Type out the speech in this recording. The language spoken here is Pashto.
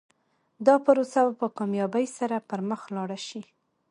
دا پروسه به په کامیابۍ سره پر مخ لاړه شي.